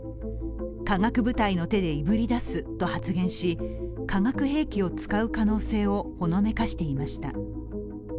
化学部隊の手でいぶり出すと発言し化学兵器を使う可能性をほのめかしていました。